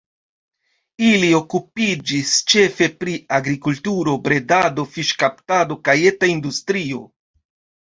Ili okupiĝis ĉefe pri agrikulturo, bredado, fiŝkaptado kaj eta industrio.